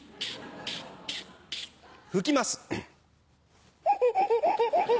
拭きます。